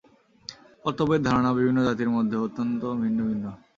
কর্তব্যের ধারণা বিভিন্ন জাতির মধ্যে অত্যন্ত ভিন্ন ভিন্ন।